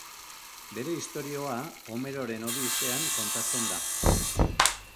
Bere istorioa, Homeroren Odisean kontatzen da.